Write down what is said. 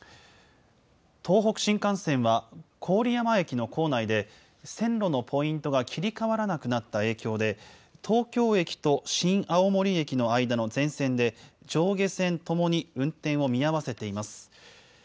東北新幹線は郡山駅の構内で線路のポイントが切り替わらなくなった影響で東京駅と新青森駅の間の全線で上下線ともに運転を見合わせています。